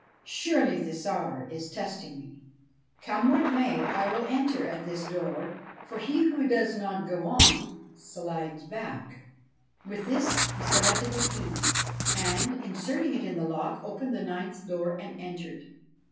Surely the Tsar is testing me ! Come what may, I will enter at this door ; for he who does not go on, slides back.' 1 06 BASHTCHELIK With this he selected the key ; and, inserting it in the lock, opened the ninth door, and entered.